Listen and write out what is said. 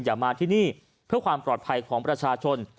อย่ามาที่นี่เพื่อความปลอดภัยของประชาชน